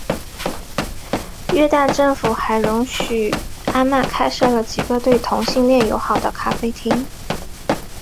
约旦政府还容许安曼开设了几个对同性恋友好的咖啡厅。